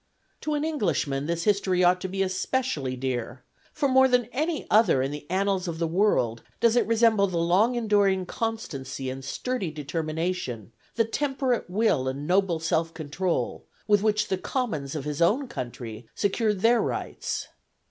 To an Englishman this history ought to be especially dear, for more than any other in the annals of the world does it resemble the long enduring constancy and sturdy determination, the temperate will and noble self control, with which the Commons of his own country secured their rights.